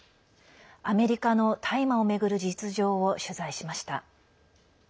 アメリカの大麻を巡る実情を取材しました。